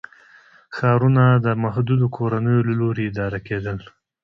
ښارونه د محدودو کورنیو له لوري اداره کېدل.